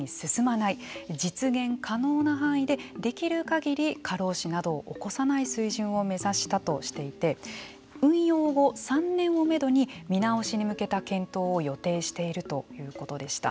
実現可能な範囲でできるかぎり過労死などを起こさない水準を目指したとしていて運用後３年をめどに見直しに向けた検討を予定しているということでした。